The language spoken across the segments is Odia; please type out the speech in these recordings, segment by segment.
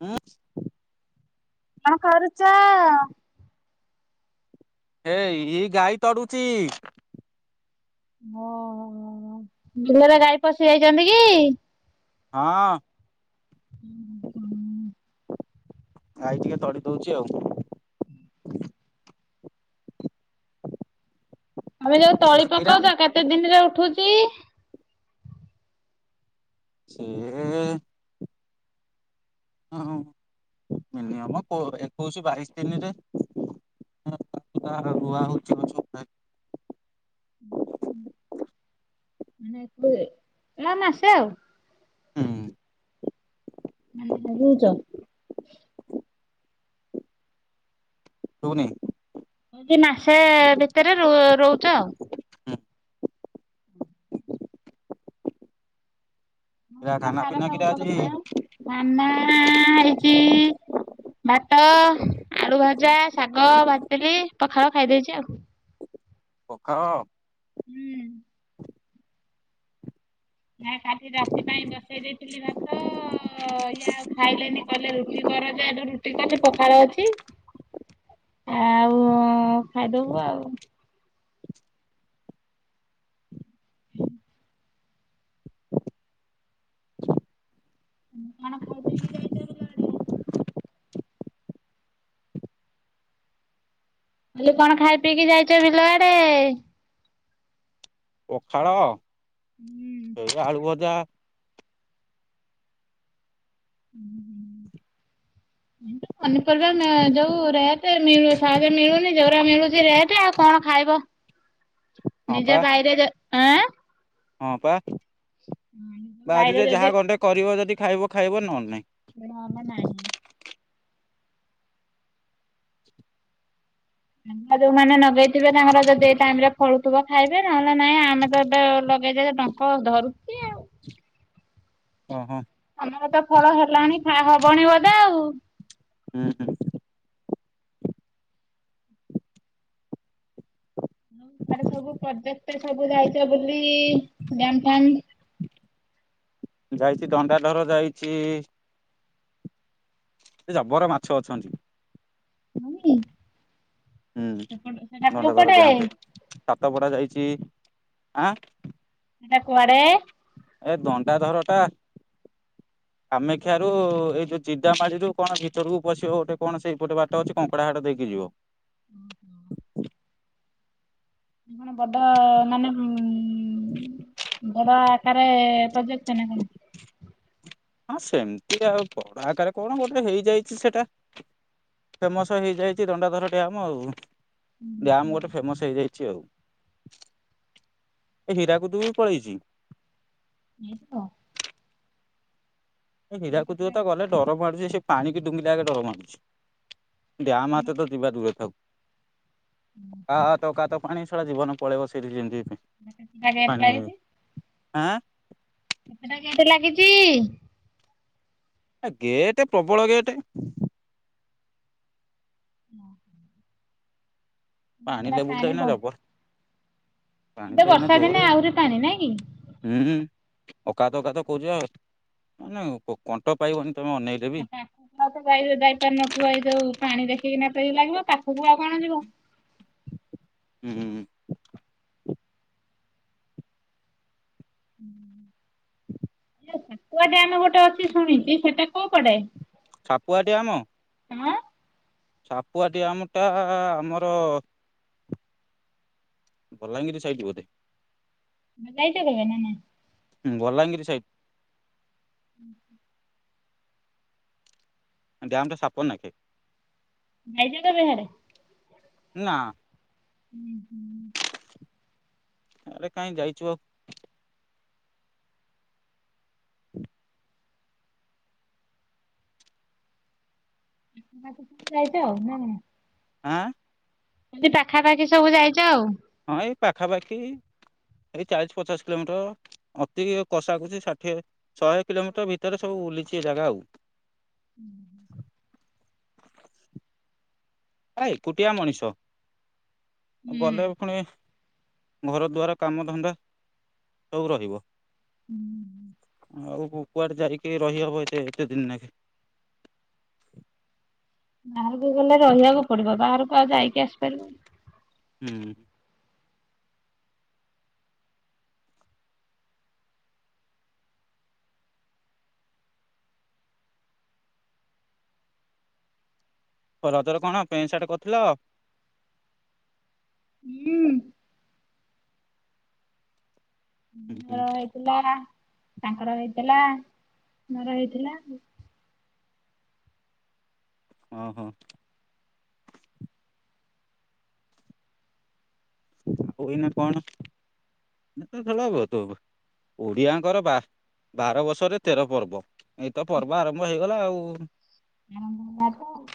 ଉଁ କଣ କରୁଚ? ହେଇ ଇ ଗାଈ ତଡୁଚି। ଓ ବିଲରେ ଗାଈ ପଶି ଯାଇଛନ୍ତି କି? ହଁ। ହୁଁ ହୁଁ। ଆଇ ଟିକେ ତଳି ଦଉଛି ଆଉ। ଆମେ ଯୋଉ ତଳି କିରା ପକାଉଛ କେତେ ଦିନରେ ଉଠୁଛ। ଚି। ସେ ହ ମିନ ଏକୋଇଶ ବାଇଶି ଦନରେ ରୁଆ ହ ମାନେ ଏକେ ମାସେ ଆଉ ହୁଁ। ଲାଗୋଛ। ଶୁବୁନି। କି ମାସେ ଭିତରେ ରୋଉଚ। କିରା ମସଲା ଖାନା ସାର ପିନା କିରା ସବୁ ଆଜି ଆ ସାନା ହେଇଛି। ଭାତ ଆଳୁ ଭଜା ଶାଗ ଭାଜିଥିଲି ପଖାଳ ଖାଇଦେଇଛି ଆଉ। ପଖାଳ। ହୁଁ। ନା କାଲି ରାତି ପାଇଁ ବସେଇ ଦେଇଥିଲି ଭାତ ଇଏ ଆଉ ଖାଇଲେନି କଲେ ରୁଟି। ଘଜାଠୁ ରୁଟି କଲି ପଖାଳ ଅଛି ଆଉ ଖାଇଦବୁ ଆଉ। ହୁଁ। କନ ଖାଇପିଇକି ଯାଇଛ ବିଲ ଆଡେ। ଖଲି କଣ ଖାଇ ପିଇକି ଯାଇଛ ବିଲଆଡେ। ପଖାଳ। ହୁଁ। ସେ ଆଳୁଭଜା। ପନିପରିବା ଆ ଯୋଉ ରେଟ ସହଜେ ମିଳୁନି ଜଉରା ମିଳୁଛି ରେଟ ଆଉ କଣ ଖାଇବ। ହଁ ପା ନିଜେ ବାଇରେ ଯେ ଆଁ। ହଁ ପା ବାରି ରେ ଯଦି ଯାହା ଗଣ୍ଟେ କରିବ ଯଦି। ଖାଇବ ଖାଇବ ନହେଲେ ନାହିଁ। ହମ ନାହିଁ। ଆ ଯୋଉମାନେ ଲଗେଇଥିବେ ତାଙ୍କର ଯଦି ଏ ଟାଇମ ରେ ଫଳୁଥିବ ଖାଇବେ ନହେଲେ ନାଇଁ ଆମେ ତ ଏବେ ଲଗେଇଛୁ ଯେ ଡଙ୍କ ଧରୁଛି ଆଉ। ଓହୋ ଆମର ତ ଫଳ ହେଲାଣି ଖାଁ ହବଣୀ ବୋଧେ ଆଉ। ହୁଁ ହୁଁ ହାର ସବୁ ପଯ୍ୟତ ସବୁ ଯାଇଛ ବୁଲି ଡ୍ୟମ ଫିଏମ। ଯାଇଛି ଦଣ୍ଡାଧର ଯାଇଛି। ସେ ଜବର ମାଛ ଅଛନ୍ତି। ନି। ହୁଁ ଦଣ୍ଡାଧର ଡ୍ୟାମ ରେ ସାତ ପଡା ଯାଇଛି। ଆଁ। ସେଟା କୁଆଡେ। ଏ ଦଣ୍ଡାଧରଟା କାମାକ୍ଷା ରୁ ଏ ଜିରିଡା ମାଳି ରୁ କଣ ଏଇ ଭିତରକୁ ପଶିବ ଗୋଟେ କଣ ଭିତରକୁ ପଶିବ ଗୋଟେ କଣ ସେଇପଟେ ବାଟ ଅଛି କଙ୍କଡା ହାଡ ଦେଇକି ଯିବ। ହୁଁ ହୁଁ। କଣ ବଡ ମାନେ। ହଁ ଉଁ ବଡ ଆକାରେ ପ୍ରୋଜେଟ ନା କଣ? ହଁ ସେମିତି ଆଉ ବଡ ଆକାରରେ କଣ ଗୋଟେ ହେଇଯାଇଛି ସେଇଟା ଫେମସ ହେଇଯାଇଛି ଦଣ୍ଡାଧର ଡ୍ୟାମ୍ ଆଉ। ଡ୍ୟାମ ଗୋଟେ ଫେମସ ହେଇଯାଇଛି ଆଉ। ଏ ହୀରାକୁଦୁ କୁ ବି ପଳେଇଛି। ଏ ତ ଏ ହୀରାକୁଦୁକୁ ଗଲେ ଡର ମାଡୁଚି ସେ ପାଣି କି ଡୁଙ୍ଗିଲା ଆଗେ ଡର ମାରୁୁଛି। ଡ୍ୟାମ ଆତେ ତ ଯିବା ଦୂରେ ଥାଉ। କାତ ଅକାତ ପାଣି। ଛା ଜୀବନ ପଳେଇବ ସେଇଠି ଯେମିତି। କେଟ ପାଣି କି [unintelligible] ଆଁ। କେତଟା ଗେଟ ଲାଗିଛି? ଏ ଗେଟେ ପ୍ରବଳ ଗେଟ୍। ମା ପାଣି ଲେବୁଲ ତ ଏଇନା ବହୁ ଜବର। ପାଣି ଏବେ ତ ଏଇନା ବର୍ଷା ଦିନେ ଜୋରେ ଆହୁରି ପାଣି ନାଇଁ କି? ହୁଁ। ଅକାତ କାତ କହୁଛି ବା ମାନେ ପୋ-କଣ୍ଟ ପାଇବନି। ତମେ ଅନେଇଲେ ବି ଗାଇ ଯାଇପାରୁ ନଥିବ ଏ। ଯୋଉ [unintelligible] ପାଣି ଦେଖିକିନା ତ ଇଏ ଲାଗିବ ପାଖକୁ ଆଉ କଣ ଯିବ? ଉ ହୁଁ ହୁଁ। ହୁଁ। ସାପୁଆ ଡ୍ୟାମ ଗୋଟେ ଅଛି ଶୁଣିିଛି ସେଟା କୋଉ କଡେ? ସାପୁଆ ଡ୍ୟାମ? ହଁ। ସାପୁଆ ଡ୍ୟାମଟା ଆମର ବଲାଙ୍ଗୀର ସାଇଡ୍ ବୋଧେ। ତମେ ଯାଇଛ କେବେ ନା ନାଇଁ? ହୁଁ ବଲାଙ୍ଗୀର ସାଇଟ ଡ୍ୟାମ୍ ଟା ସାପ ନାଖେ। ଯାଇଛ କେବେ ହିଆଡେ? ନା। ଉଁ ହୁଁ। ଆରେ କାଇଁ ଯାଇଛୁ ଆଉ। [inaudible] ଯାଇଛ ନା କଣ? ଆଁ। ଏମିତି ପାଖାପାଖି ସବୁ ଯାଇଛ ଆଉ। ହଁ ଏଇ ପାଖାପାଖି ଏଇ ଚାଳିଶ ପଚାଶ କିଲୋମିଟର ଅତି କଷା କୁଷି ଷାଠିଏ, ଶହେ କିଲୋମିଟର ଭିତରେ ସବୁ ବୁଲିଛି ଏ ଜାଗା ଆଉ। ଏରା ଏକୁଟିଆ ମଣିଷ। ହୁଁ। ଗଲେ ଏଇ ଖୁଣି ଘର ଦ୍ୱାର କାମଧନ୍ଦା ସବୁ ରହିବ। ହୁଁ ହୁଁ। ଆଉ କୁ-କୁଆଡେ ଯାଇକି ରହିହବ ଏତେ-ଏତେ ଦିନ ନାଖେ। ବାହାରକୁ ଗଲେ ରହିବାକୁ ପଡିବ। ବାହାରକୁ ଆଉ ଯାଇକି ଆସିପାରିବ କି? ହୁଁ। ରଜରେ କଣ ପେଣ୍ଟ ସାର୍ଟ କରିଥିଲ? ହୁଁ ହୁଁ ହୁଁ ମୋର ହେଇଥିଲା- ଆ। ତାଙ୍କର ହେଇଥିଲା ମୋର ହେଇଥିଲା ଆଉ। ଅ ହଁ। ଆଉ ଏଇନା କଣ? [unintelligible] ଓଡିଆଙ୍କର ବା ବାର ବର୍ଷରେ ତେର ପର୍ବ ଏଇତ ପର୍ବ ଆରମ୍ଭ ହେଇଗଲା ଆଉ। ଆଉ ନାତ ଆଉ।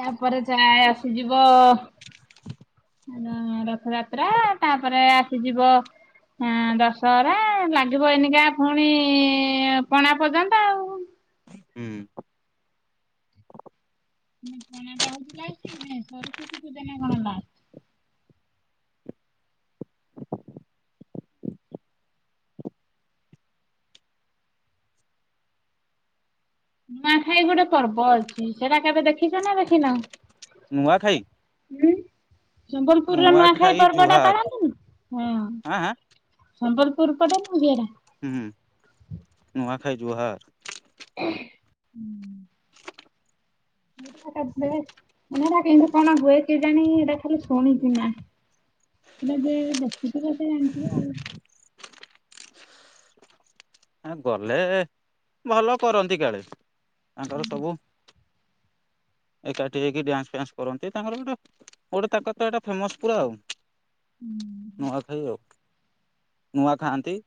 ୟା ପରେ ଚାର। ଆସିଯିବ-ଅ ର-ରଥଯାତ୍ରା। ତାପରେ ଆସିଯିବ ଅଁ ଦଶହରା। ଲାଗିବ ଏଇନିକା ପୁଣି-ଇଁ ପଣା ପର୍ଯ୍ୟନ୍ତ ଆଉ। ହୁଁ। ନା ପଣାଟା ହଉଛି କି ନାଇଁ ସରସ୍ୱତୀ ପୂଜା ନା କଣ ନୂଆଁଖାଇ ଗୋଟେ ପର୍ବ ଅଛି ସେଟା କେବେ ଦେଖିଛ ନା ଦେଖିନ? ନୂଆଁଖାଇ। ହୁଁ। ସମ୍ବଲପୁରର ନୂଆଁଖାଇ ପର୍ବ ଟା ଜୁହାର ପାଳନ୍ତିନି? ହଁ ଆଁ ଆଁ ସମ୍ବଲପୁର ପଟେନା ବେଡ଼ା। ଖାଇ ଜୁହାର। ଉଁ। [unintelligible] କିଁତି କଣ ହୁଏ କେଜାଣି? ଏଇଟା ଖାଲି ଶୁଣିଛି ମା। ବେବେ-ଏ ବେ। କିତି କଥା ଜାଣିଥିବ ଆଉ। ଆ ଗଲେ ଭଲ କରନ୍ତି କାଳେ। ଆଙ୍କ ର ସବୁ ଏକାଠି ହେଇକି ଡ୍ୟାନ୍ସ ଫ୍ୟାନ୍ସ କରନ୍ତି ତାଙ୍କର ଗୋଟେ ଗୋଟେ ତାଙ୍କର ତ ଏଇଟା ଫେମସ୍ ପୁରା ଆଉ। ନୂଆଁଖାଇ ଆଉ। ନୂଆଁ ଖାଆନ୍ତି।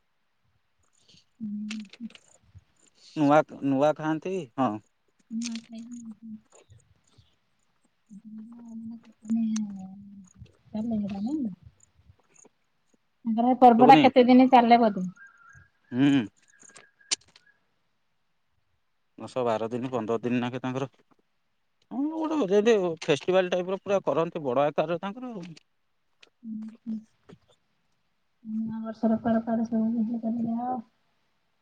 ନୂଆଁ ନୂଆଁ ଖାଆନ୍ତି। ହଁ। [inaudible] ତାଙ୍କର ହେ ପର୍ବଟା ଶୁଭୁନି କେତେ ଦିନି ଚାଲେ ବୋ ହୁଁ। ଦଶ ବାର ଦିନ ପନ୍ଦର ଦିନ ନାକେ ତାଙ୍କର ହଁ ଗୋଟେ ଫେଷ୍ଟିଭାଲ ଟାଇପ୍ ର ପୁରା କରନ୍ତି, ବଡ଼ ଆକାରରେ ତାଙ୍କର ଆଉ। [unintelligible]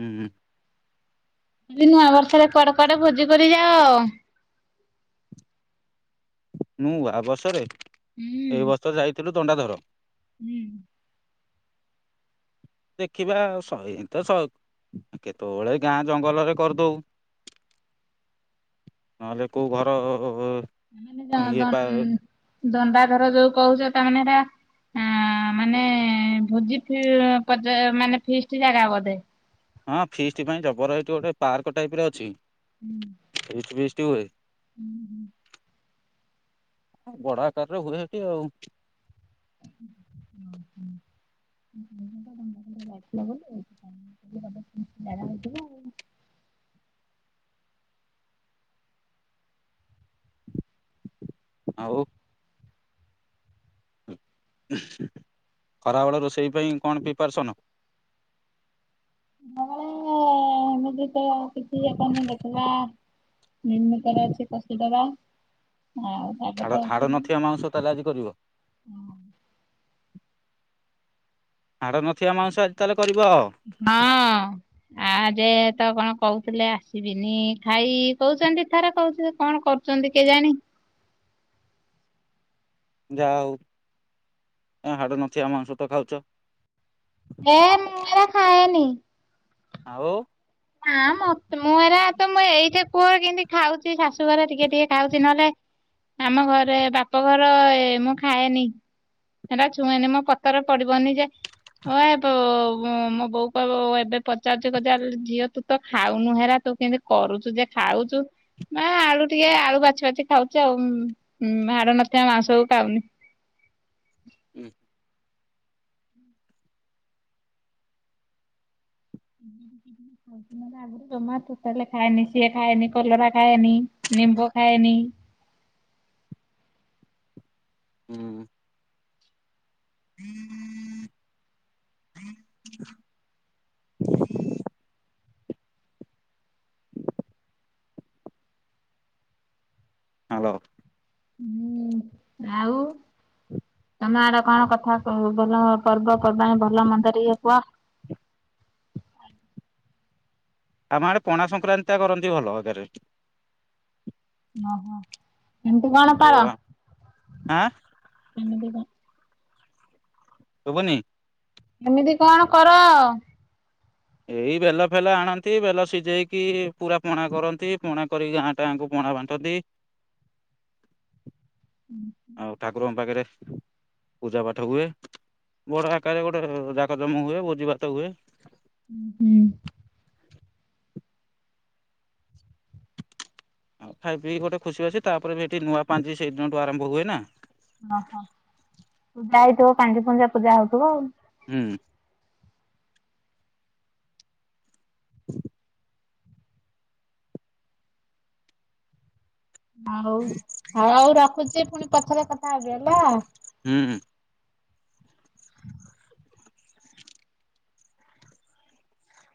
ହୁଁ। ଦିଦି ନୂଆବର୍ଷରେ କୁଆଡେ କୁଆଡେ ଭୋଜି କରି ଯାଅ? ନୂଆଁ ବଷରେ। ହୁଁ ଏ ବର୍ଷ ଯାଇଥିଲୁ। ଥଣ୍ଡା ଜର। ହୁଁ। ଦେଖିବା ସେଇତ କେତେବେଳେ ଗାଁ ଜଙ୍ଗଲରେ କରିଦଉ ନହେଲେ କୋଉ ଘର ଦନ ଇଏ ଦ ପା ଦଣ୍ଡାଧର ଯୋଉ କହୁଛ ତାମାନେ ଏଇଟା ହ ମାନେ ଭୋଜି ଫ ମାନେ ଫିଷ୍ଟି ଜାଗା ବୋଧେ। ହଁ ଫିଷ୍ଟି ପାଇଁ ଜବର ଏଇଠି ଗୋଟେ ପାର୍କ ଟାଇପ ର ଅଛି। ହୁଁ। ଫିଷ୍ଟୀ ହୁଏ। ହୁଁ [unintelligible] ବଡ ଆକାରରେ ହୁଏ ସେଠି ଆଉ। ଥିଲା ବୋଲି ହେଇଥିଲା ଆଉ ଆଉ ଖରାବେଳ ରୋଷେଇ ପାଇଁ କଣ ପ୍ରିପାରସନ ଳେ ଏମତି ତ ଆଉ କିଛି ଆପଣ ଦେଖିବା। ନିର୍ମିତର ଅଛି କଶୁ ଟରା ହାଡ ହାଡ଼ ନଥିବା ମାଂସ ତାହେଲେ ଆଜି କରିବ। ହାଡ଼ ନଥିବା ମଂୁଷ ଆଜି ତାହେଲେ। କରିବ। ହଁ। ଆ ଯେ ତ କଣ କହୁଥିଲେ ଆସିବିନି ଖାଇ କହୁଛନ୍ତି ଥରେ କହୁଥିଲେ କଣ କରୁଛନ୍ତି କିଏ ଜାଣି ଯାହା ହଉ ହାଡ଼ ନଥ ଆମଂ ୋଟ ଖାଉଛ। ଏ ମୁରା ଖାଏନି ଆଉ ନା ମ ମୁଁ ଏରା ତ ମୁଁ ଏଇଠି କୁଅ କେମତି ଖାଉଛି ଶାଶୁଘର ଟିକେ ଟିକେ ଖାଉଛି ନହେଲେ ଆମ ଘରେ ବାପ ଘର ମୁଁ ଖାଏନି ହେରା ଛୁଇଁନି ମୋ ପତରେ ପଡିବନି ଯେ ମୋ ବୋଉ କ ଏବେ ପଚାରୁଛ ଝିଅ ତୁ ତ ଖାଉନୁ ହେରା ତୁ କେମତି କରୁଛୁ ଯେ ଖାଉଛୁ ମା ଆଳୁ ଟିକେ ଆଳୁ ବାଛି ବାଛି ଖାଉଛି ଆଉ ହାଡ ନଥିବା ମାଂସକୁୁ ଖାଉନି। ହୁଁ। ଗ ଜମା ତାହଲେ ଖାଏନି ସିଏ ଖାଏନି କଲରା ଖାଏନି ନିମ୍ବୁ ଖାଏନି ହୁଁ। ହଁ ହ। ହ୍ୟାଲୋ। ହୁଁ ଆଉ ତମ ଆଡ କଣ କଥା କ ଭଲ ପର୍ବପର୍ବାଣି ଭଲ ମନ୍ଦର ଇଏ କୁହ। ଆମ ଆଡେ ପଣା ସଂକ୍ରାନ୍ତି ଟ କରନ୍ତି ଭଲ ଆଗରେ ଏମିତି କଣ କର ଆଁ କେମିତି କଣ? ରୁବୁନି ଏମିତି କଣ କର? ଏଇ ବେଲ ଫେଲ ଆଣନ୍ତି ବେଲ ସିଝେଇକି ପୁରା ପଣା କରନ୍ତି ପଣା କରିକି ଗାଁ ଟା ଗାଙ୍କୁ ପଣା ବାଣ୍ଟନ୍ତି। ଆଉ ଠାକୁରଙ୍କ ପାଖରେ ପୂଜା ପାଠ ହୁଏ ବଡ ଆକାରରେ ଗୋଟେ ଜାକ ଜମ ହୁଏ ଭୋଜି ଭାତ ହୁଏ। ହୁଁ ହୁଁ। ଆ ଆଉ ଖାଇ ପିଇ ଗୋଟେ ଖୁସି ଅସି ତାପରେ ସେଠି ନୂଆ ପାଞ୍ଚ ସେଇ ଦିନଠୁ ଆରମ୍ଭ ହୁଏ ନା। ଓହୋ ପୂଜା ହେଇଥିବ କାଙ୍ଗି ପୁଞ୍ଜିା ପୂଜା ହଉଥିବ ଆଉ। ହୁଁ। [unintelligible] ହଉ ଆଉ ଆଉ ରଖୁଛି ପୁଣି ପଛରେ କଥା ହେବି ହେଲା। ହୁଁ